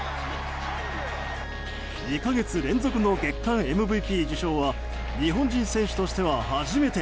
２か月連続での月間ＭＶＰ受賞は日本人選手としては初めて。